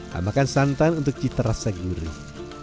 tambahkan santan untuk cita rasa gurih